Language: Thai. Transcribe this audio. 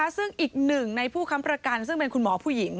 ซึ่งอีกหนึ่งในผู้ค้ำประกันซึ่งเป็นคุณหมอผู้หญิง